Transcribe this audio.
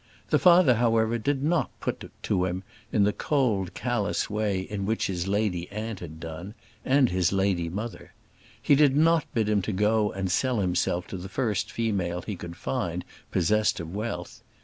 The father, however, did not put it to him in the cold, callous way in which his lady aunt had done, and his lady mother. He did not bid him go and sell himself to the first female he could find possessed of wealth.